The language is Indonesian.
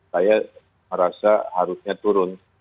saya merasa harusnya turun